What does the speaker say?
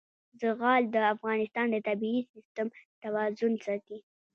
زغال د افغانستان د طبعي سیسټم توازن ساتي.